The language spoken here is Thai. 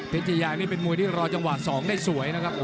ชายานี่เป็นมวยที่รอจังหวะ๒ได้สวยนะครับ